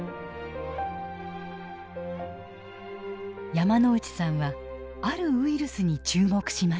山内さんはあるウイルスに注目しました。